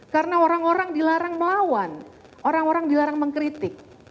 karena orang orang dilarang melawan orang orang dilarang mengkritik